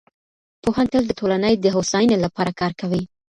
پوهان تل د ټولني د هوساینې لپاره کار کوي.